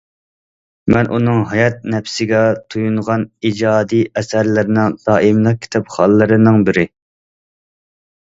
مەن ئۇنىڭ ھايات نەپىسىگە تويۇنغان ئىجادىي ئەسەرلىرىنىڭ دائىملىق كىتابخانلىرىنىڭ بىرى.